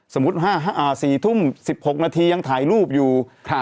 สมมุติ๔ทุ่ม๑๖นาทียังถ่ายรูปอยู่